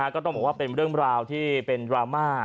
ก็ต้องบอกว่าเป็นเรื่องราวที่เป็นดราม่า